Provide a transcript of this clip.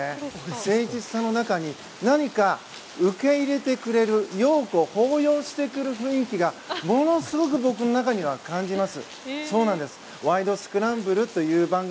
誠実さの中に何か受け入れてくれる容子を抱擁してくれる雰囲気がものすごく僕の中に感じます。